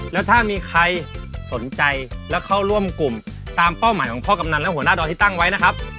แล้วถ้ามีใครสนใจและเข้าร่วมกลุ่มตามเป้าหมายของพ่อกำนันและหัวหน้าดอยที่ตั้งไว้นะครับ